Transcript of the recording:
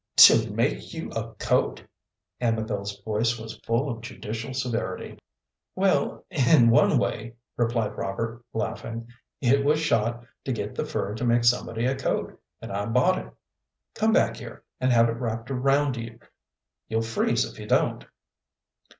"To make you a coat?" Amabel's voice was full of judicial severity. "Well, in one way," replied Robert, laughing. "It was shot to get the fur to make somebody a coat, and I bought it. Come back here and have it wrapped round you; you'll freeze if you don't."